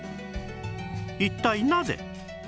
一体なぜ？